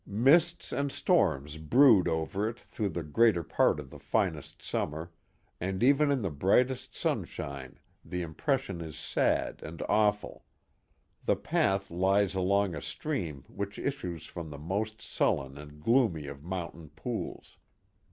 Mists and storms brood over it through the greater part of the finest summer and even in the brightest sunshine the impression is sad and awful. The path lies along a stream which issues from the most sullen and gloomy of mountain pools.